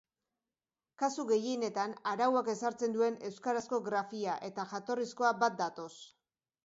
Kasu gehienetan, arauak ezartzen duen euskarazko grafia eta jatorrizkoa bat datoz.